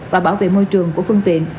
và bảo vệ môi trường của phương tiện